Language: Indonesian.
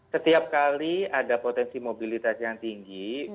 setiap kali ada potensi mobilitas yang tinggi